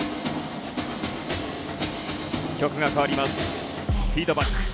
曲が変わります。